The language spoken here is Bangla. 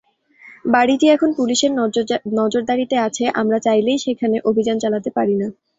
বাড়িটি এখন পুলিশের নজরদারিতে আছে আমরা চাইলেই সেখানে অভিযান চালাতে পারি না।